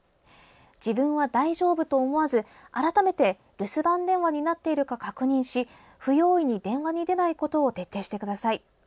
自分は大丈夫と思わず、改めて留守番電話になっているか確認し不用意に電話に出ないことを徹底してください。